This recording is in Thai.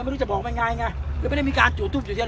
มันไม่รู้จะบอกมันยังไงไงมันไม่ได้มีการจุดทุ่มอยู่ที่นั่น